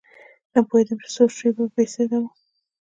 نه پوهېدم چې څو شپې بې سده وم.